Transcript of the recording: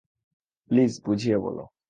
Please বুঝিয়ে বলো।